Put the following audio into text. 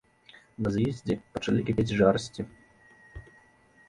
На з'ездзе пачалі кіпець жарсці.